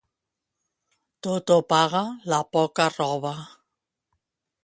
Tot ho paga la poca roba.